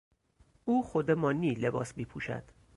او خودمانی لباس میپوشد.